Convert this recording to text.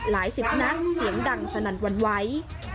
หลายสิบนักเสียงดังสนั่นวรรณไว้